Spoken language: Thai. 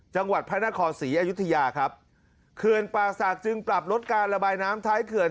จังหวัดพระนครศรีอยุธยาครับเขื่อนป่าศักดิ์จึงปรับลดการระบายน้ำท้ายเขื่อน